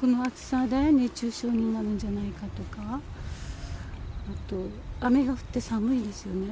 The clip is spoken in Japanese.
この暑さで、熱中症になるんじゃないかとか、あと雨が降って寒いんですよね。